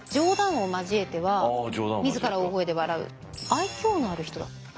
「愛嬌のある人だった」？